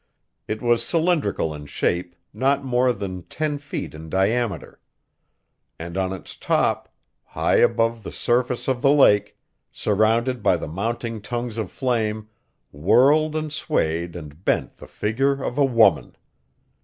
It was cylindrical in shape, not more than ten feet in diameter. And on its top, high above the surface of the lake, surrounded by the mounting tongues of flame, whirled and swayed and bent the figure of a woman.